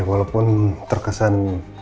ya walaupun terkesan